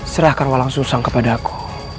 serahkan walang susang kepada aku